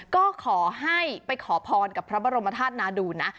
ก็ขอให้ไปขอพรกับพระบรมธาตุนาดูนะ